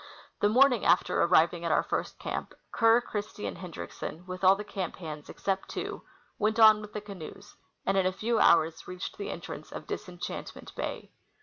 The morning after arriving at our first camp, Kerr, Christie, and Hendriksen, with all the camp hands except two. went on with the canoes, and in a few hours reached the entrance of Dis enchantment bay.